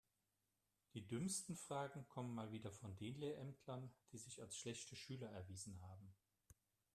Die dümmsten Fragen kommen mal wieder von den Lehrämtlern, die sich als schlechte Schüler erwiesen haben.